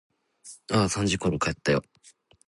ああ、三時ころ帰ったよ。